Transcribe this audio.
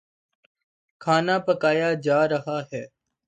کھانا پکایا جا رہا ہے